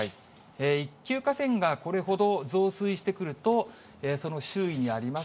一級河川がこれほど増水してくると、その周囲にあります